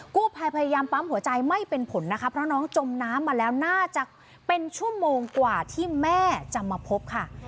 กู้ภัยพยายามปั๊มหัวใจไม่เป็นผลนะคะเพราะน้องจมน้ำมาแล้วน่าจะเป็นชั่วโมงกว่าที่แม่จะมาพบค่ะ